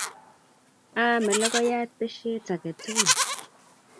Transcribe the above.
Aame lokoyat pesheet age tugul